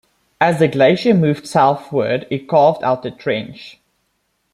As the glacier moved southward it carved out the trench.